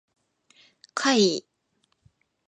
怪異